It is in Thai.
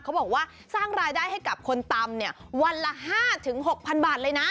เขาบอกว่าสร้างรายได้ให้กับคนตำเนี่ยวันละ๕๖๐๐บาทเลยนะ